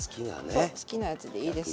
そう好きなやつでいいです。